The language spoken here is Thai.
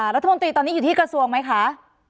รัฐมนตรีตอนนี้อยู่ที่กระทรวงไหมคะ